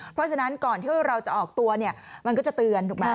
เพราะฉะนั้นก่อนที่เราจะออกตัวเนี่ยมันก็จะเตือนถูกไหม